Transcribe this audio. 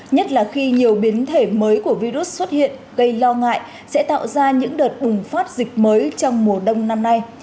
nhất là khi nhiều biến thể mới của virus xuất hiện gây lo ngại sẽ tạo ra những đợt bùng phát dịch mới trong mùa đông năm nay